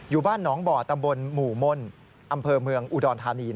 บ้านหนองบ่อตำบลหมู่ม่นอำเภอเมืองอุดรธานี